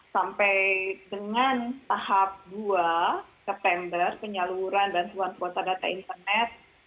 sampai dengan tahap dua september penyaluran bantuan kuota data internet